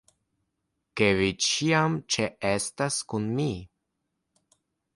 ... ke vi ĉiam ĉeestas kun mi!